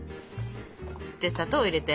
で砂糖を入れて。